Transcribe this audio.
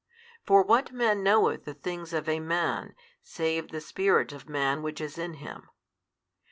For what man knoweth the things of a man, save the spirit of man which is in him?